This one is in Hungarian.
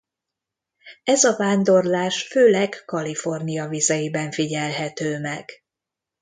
Ez a vándorlás főleg Kalifornia vizeiben figyelhető meg.